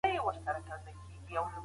چېري انټرنیټي زیربناوي ساتل کیږي؟